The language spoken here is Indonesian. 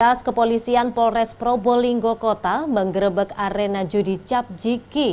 kas kepolisian polres probolinggo kota menggerebek arena judi capjiki